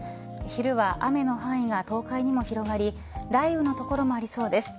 昼は雨の範囲が東海にも広がり雷雨の所もありそうです。